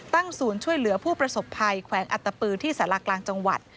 ศูนย์ช่วยเหลือผู้ประสบภัยแขวงอัตตปือที่สารากลางจังหวัด